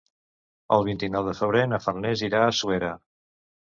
El vint-i-nou de febrer na Farners irà a Suera.